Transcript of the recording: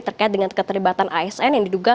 terkait dengan keterlibatan asn